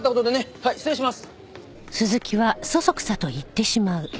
はい失礼します。